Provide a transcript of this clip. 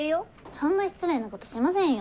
そんな失礼なことしませんよ。